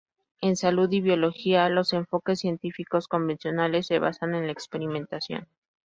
En salud y biología, los enfoques científicos convencionales se basan en la experimentación.